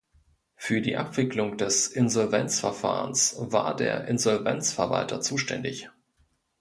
Für die Abwicklung des Insolvenzverfahrens war der Insolvenzverwalter zuständig.